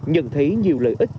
nhận thấy nhiều lợi ích